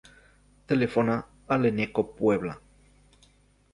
Telefona a l'Eneko Puebla.